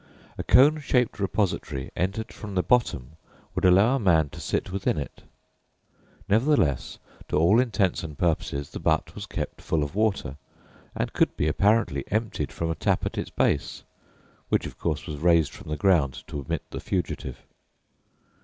A cone shaped repository, entered from the bottom, would allow a man to sit within it; nevertheless, to all intents and purposes the butt was kept full of water, and could be apparently emptied from a tap at its base, which, of course, was raised from the ground to admit the fugitive.